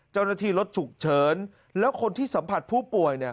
เจ้าหน้าที่รถฉุกเฉินและคนที่สัมผัสผู้ป่วย